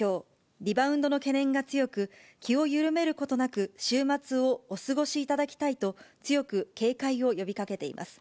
リバウンドの懸念が強く、気を緩めることなく、週末をお過ごしいただきたいと強く警戒を呼びかけています。